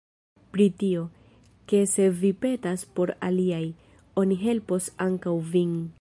Pri tio, ke se vi petas por aliaj, oni helpos ankaŭ vin.